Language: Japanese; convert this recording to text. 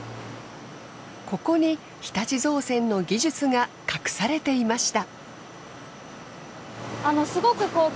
ここに日立造船の技術が隠されていました。